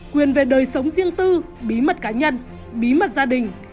quyền về đời sống riêng tư bí mật cá nhân bí mật gia đình